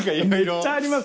めっちゃあります